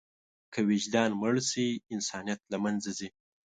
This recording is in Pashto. که وجدان مړ شي، انسانیت له منځه ځي.